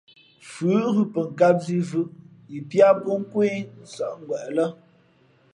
Fʉ ghʉ pαkām zī vʉ̄ʼʉ yi piá pō nkwé nsᾱʼ ngweʼ lά.